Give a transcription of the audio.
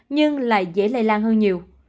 nhưng lại dễ lây lan hơn nhiều